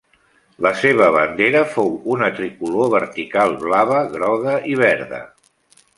La seva bandera fou una tricolor vertical blava, groga i verda.